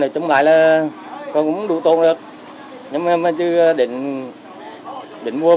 chúng lại là con cũng đủ tồn được nhưng mà chứ định mua vừa thì phải làm thôi nha